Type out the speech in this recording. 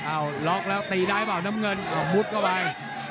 ล็อกแล้วตีได้เปล่าน้ำเงินออกมุดเข้าไป